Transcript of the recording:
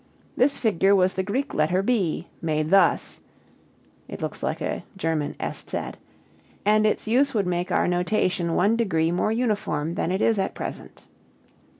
This figure was the Greek letter B, made thus, [Greek: b], and its use would make our notation one degree more uniform than it is at present.